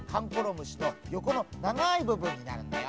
むしのよこのながいぶぶんになるんだよ。